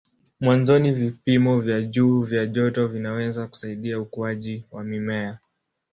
Mwanzoni vipimo vya juu vya joto vinaweza kusaidia ukuaji wa mimea.